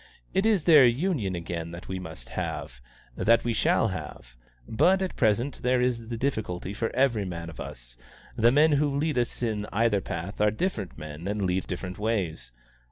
It is their union again that we must have that we shall have; but at present there is the difficulty for every man of us the men who lead us in either path are different men and lead different ways.